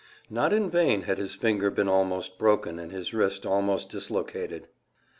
Not in vain had his finger been almost broken and his wrist almost dislocated!